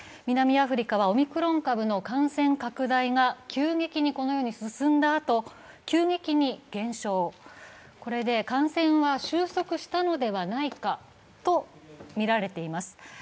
南アフリカはオミクロン株の感染拡大が急激に進んだあと急激に減少、これで感染は収束したのではないかとみられています。